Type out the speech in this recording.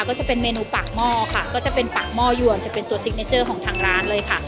ก็จะเป็นเมนูปากหม้อค่ะก็จะเป็นปากหม้อยวนจะเป็นตัวซิกเนเจอร์ของทางร้านเลยค่ะ